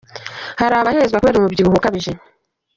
Hari abahezwa kubera umubyibuho ukabije